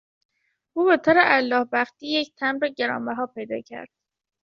او بهطور الله بختی یک تمبر گرانبها پیدا کرد.